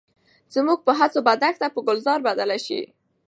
زموږ په هڅو به دښته په ګلزار بدله شي.